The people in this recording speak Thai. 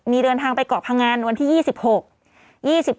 มีเดินทางไปเกาะพงันวันที่๒๖